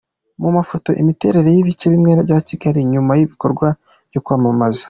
Mu mafoto: Imiterere y’ibice bimwe bya Kigali nyuma y’ibikorwa byo kwamamaza.